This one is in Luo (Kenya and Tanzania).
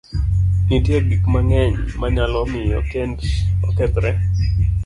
Nitie gik mang'eny manyalo miyo kend okethre.